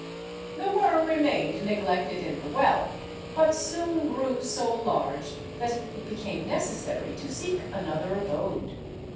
The worm remained neglected in the well, but soon grew so large that it became necessary to seek another abode.